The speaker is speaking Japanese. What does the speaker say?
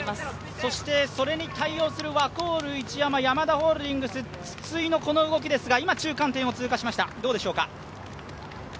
そしてそれに対応するワコール・一山、ヤマダホールディングス・筒井の動きですが、今、中間点を通過しましたが、どうでしょうか？